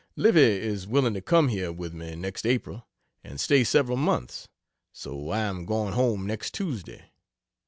Livy is willing to come here with me next April and stay several months so I am going home next Tuesday.